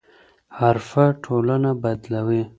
حرفه ټولنه بدلوي.